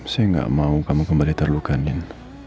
saya tidak mau kamu kembali terluka nid